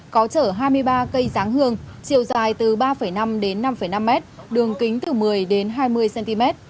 có chở hai mươi ba cây giáng hương chiều dài từ ba năm đến năm năm m đường kính từ một mươi đến hai mươi cm